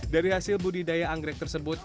dari hasil budidaya anggrek tersebut